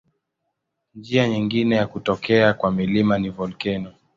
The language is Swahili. Njia nyingine ya kutokea kwa milima ni volkeno.